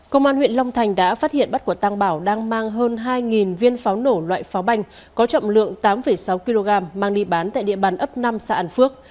công an huyện long thành đã phát hiện bắt quả tăng bảo đang mang hơn hai viên pháo nổ loại pháo banh có trọng lượng tám sáu kg mang đi bán tại địa bàn ấp năm xã an phước